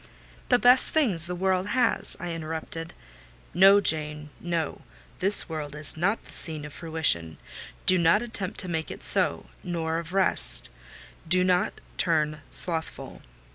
"The best things the world has!" I interrupted. "No, Jane, no: this world is not the scene of fruition; do not attempt to make it so: nor of rest; do not turn slothful."